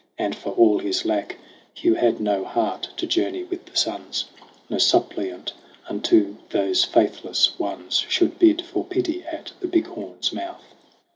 And for all his lack, Hugh had no heart to journey with the suns : No suppliant unto those faithless ones Should bid for pity at the Big Horn's mouth.